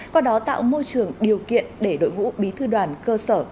qua đó tạo môi trường điều kiện để đội ngũ bí thư đoàn cơ sở